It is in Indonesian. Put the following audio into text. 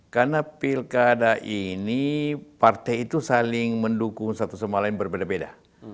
karena pilkada ini partai itu saling mendukung satu sama lain berbeda beda